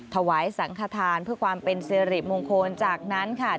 ถวายสังขทานเพื่อความเป็นสิริมงคลจากนั้นค่ะ